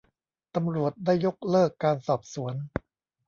ตำรวจได้ยกเลิกการสอบสวน